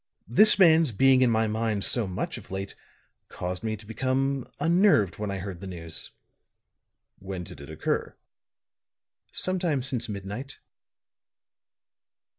This man's being in my mind so much of late caused me to become unnerved when I heard the news." "When did it occur?" "Sometime since midnight."